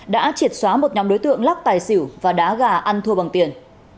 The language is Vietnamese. đã triệt xóa một nhóm đối tượng lắc tài xỉu và đá gà ăn thua bằng tiền